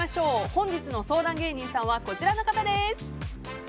本日の相談芸人さんはこちらの方です。